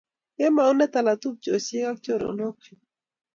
Kemou ne tala tupchosiek ak choronokchu